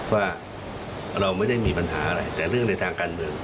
ว่าเราไม่ได้มีปัญหาอะไรแต่เรื่องในทางการเมือง